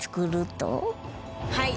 はい。